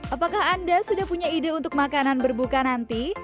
apakah anda sudah punya ide untuk makanan berbuka nanti